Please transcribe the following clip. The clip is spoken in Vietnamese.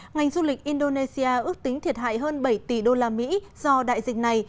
ngành du lịch indonesia ước tính thiệt hại hơn bảy tỷ đô la mỹ do đại dịch này